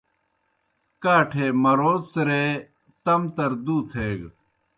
کاٹھے مرَو څِرَے تم تر دُو تھیگہ۔